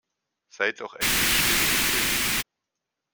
Sei doch endlich still, Till.